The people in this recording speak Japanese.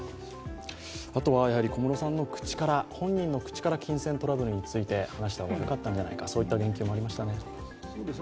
あとは小室さんの口から、本人の口から金銭トラブルについて話した方がよかったのではないかという言及もありましたね？